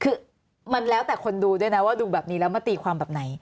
คือมันแล้วแต่คนดูด้วยนะว่าดูแบบนี้แล้วมาตีความแบบไหน